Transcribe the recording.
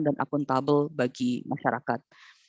dan akuntabel bagi masyarakat